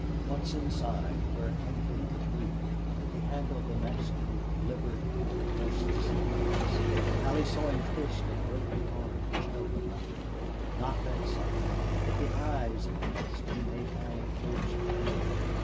Once inside, where Ancliffe could move, he handled the Mexican with deliberate and remorseless ease. Allie saw him twist and break the arm which held the knife. Not that sight, but the eyes of the Mexican made Allie close her own.